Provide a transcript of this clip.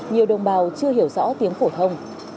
nhiều đồng bào chưa hiểu rõ tiếng phổ thông